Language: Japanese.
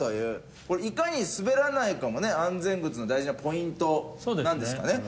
これいかに滑らないかもね安全靴の大事なポイントなんですかね。